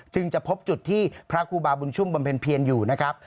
จะพบจุดที่พระครูบาบุญชุ่มบำเพ็ญเพียรอยู่นะครับ